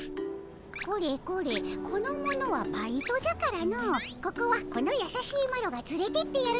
これこれこの者はバイトじゃからのここはこのやさしいマロがつれてってやるでおじゃる。